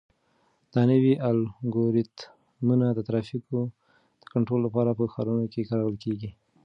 دا نوي الګوریتمونه د ترافیکو د کنټرول لپاره په ښارونو کې کارول کیږي.